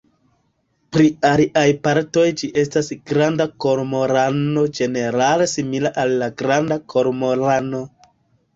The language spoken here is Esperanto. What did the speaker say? Pri aliaj partoj ĝi estas granda kormorano ĝenerale simila al la Granda kormorano.